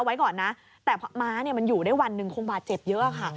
ไว้ก่อนนะแต่ม้าเนี่ยมันอยู่ได้วันหนึ่งคงบาดเจ็บเยอะค่ะ